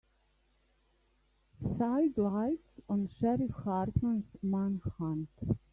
Sidelights on Sheriff Hartman's manhunt.